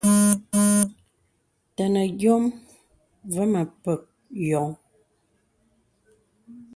Tənə yɔ̄m və̄ mə̀ pək yɔŋ.